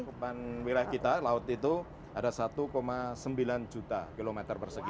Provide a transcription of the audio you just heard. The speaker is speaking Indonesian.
ke depan wilayah kita laut itu ada satu sembilan juta kilometer persegi